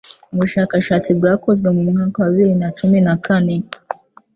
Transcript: Ubushakashatsi bwakozwe mu mwaka wa bibiri na cumin a kane